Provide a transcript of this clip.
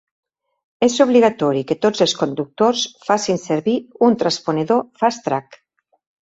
És obligatori que tots els conductors facin servir un transponedor FasTrak.